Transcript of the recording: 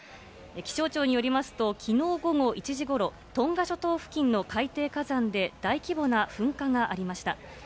気象庁によりますと、きのう午後１時ごろ、トンガ諸島付近の海底火山で大規模な噴火がありました。